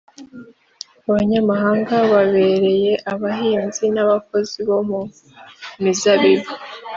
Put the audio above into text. abanyamahanga bababere abahinzi n’abakozi bo mu mizabibu.